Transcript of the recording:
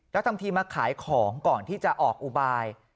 แล้วทำทีมาขายของก่อนที่จะออกอุบาย